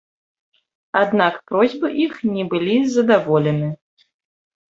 Аднак просьбы іх не былі задаволены.